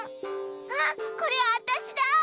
あっこれあたしだ！